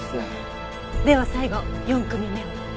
では最後４組目を。